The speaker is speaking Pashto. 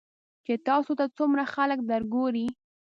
چې تاسو ته څومره خلک درګوري .